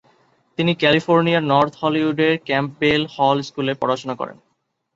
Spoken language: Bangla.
তিনি ক্যালিফোর্নিয়ার নর্থ হলিউডের ক্যাম্পবেল হল স্কুলে পড়াশোনা করেন।